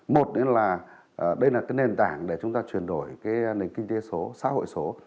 một là đây là nền tảng để chúng ta chuyển đổi nền kinh tế số xã hội số